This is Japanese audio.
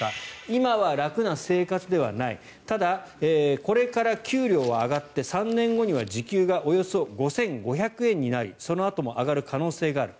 今は楽な生活ではないただ、これから給料は上がって３年後には時給がおよそ５５００円になりそのあとも上がる可能性がある。